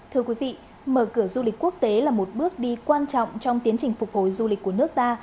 thưa quý vị mở cửa du lịch quốc tế là một bước đi quan trọng trong tiến trình phục hồi du lịch của nước ta